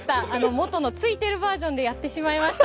元のついているバージョンでやってしまいました。